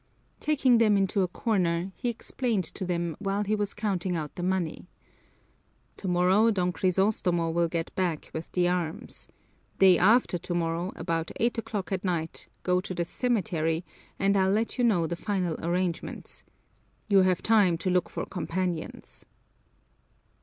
Taking them into a corner, he explained to them while he was counting out the money, "Tomorrow Don Crisostomo will get back with the arms. Day after tomorrow, about eight o'clock at night, go to the cemetery and I'll let you know the final arrangements. You have time to look for companions."